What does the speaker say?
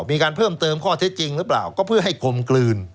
มีการเพิ่มเติมข้อเท็จจริงหรือเปล่าก็เพื่อให้กลมกลืน